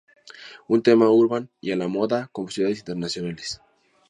Un tema "urban" y a la moda, con posibilidades internacionales.